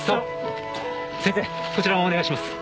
先生こちらもお願いします。